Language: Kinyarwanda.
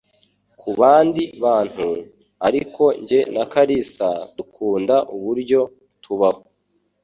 kubandi bantu, ariko njye na Kalisa dukunda uburyo tubaho.